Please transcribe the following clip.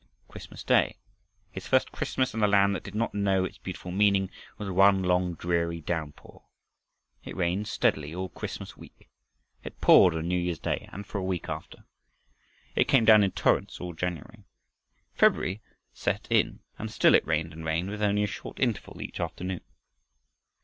Christmas day his first Christmas in a land that did not know its beautiful meaning was one long dreary downpour. It rained steadily all Christmas week. It poured on Newyear's day and for a week after. It came down in torrents all January. February set in and still it rained and rained, with only a short interval each afternoon.